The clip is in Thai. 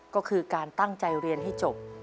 ก็คือการตั้งใจเรียนให้จบ